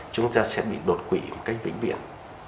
chúng ta sẽ bị đột quỵ một cách vĩnh viện